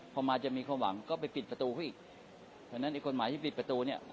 พอมาอย่ามีความหวังก็ไปปิดประตูก็อีก